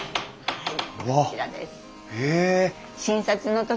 はい。